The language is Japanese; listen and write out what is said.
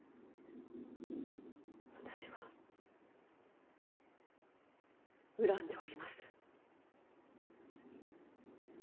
私は恨んでおります。